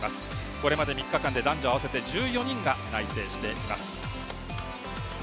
これまで３日間で男女合わせて１４人が内定しています。